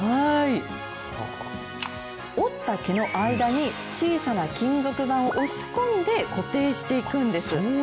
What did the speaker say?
折った毛の間に、小さな金属板を押し込んで固定していくんです。